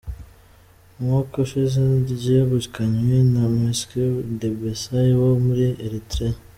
Umwaka ushize ryegukanywe na Mekseb Debesay wo muri Eritrea.